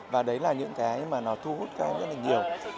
và đấy là những cái mà nó thu hút các em rất là nhiều